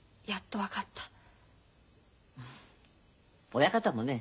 親方もね